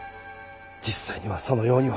実際にはそのようには。